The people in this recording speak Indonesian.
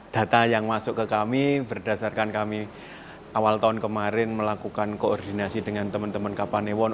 data yang masuk ke kami berdasarkan kami awal tahun kemarin melakukan koordinasi dengan teman teman kapanewon